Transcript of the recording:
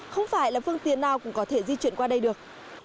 không phải là phương tiện nào cũng có thể di chuyển qua đây được